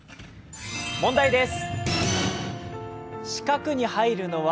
問題です。